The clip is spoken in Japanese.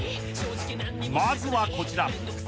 ［まずはこちら］